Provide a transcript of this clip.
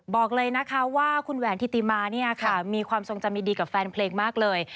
บอกเลยว่าคุณแหวนธิติมามีความทรงจำดีกับแฟนเพลงมากเลย